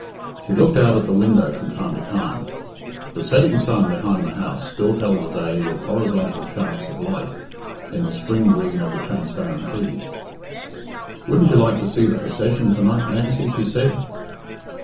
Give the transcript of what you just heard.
She looked out at the window from time to time. The setting sun behind the house still held the day with horizontal shafts of light in the spring green of the transparent leaves. "Wouldn't you like to see the procession to night, Nancy?" she said.